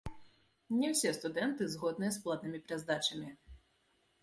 Не ўсе студэнты згодныя з платнымі пераздачамі.